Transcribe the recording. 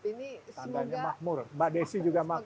ini tandanya makmur mbak desi juga makmur